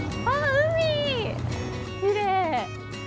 海きれい。